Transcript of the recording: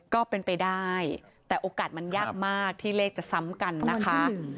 ก็เป็นไปได้แต่โอกาสมันยากมากที่เลขจะซ้ำกันนะคะ